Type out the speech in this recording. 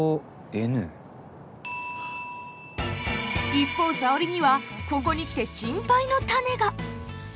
一方沙織にはここに来て心配の種が。